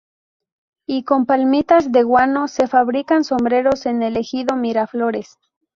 Y con palmitas de guano, se fabrican sombreros en el ejido Miraflores.